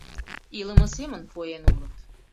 Илыме семын поен улыт.